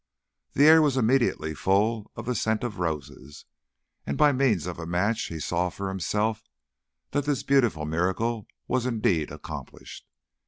The air was immediately full of the scent of roses, and by means of a match he saw for himself that this beautiful miracle was indeed accomplished.